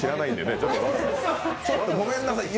ちょっとごめんなさい、よ